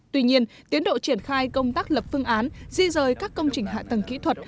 tuy nhiên tiến độ triển khai công tác lập phương án di rời các công trình hạ tầng kỹ thuật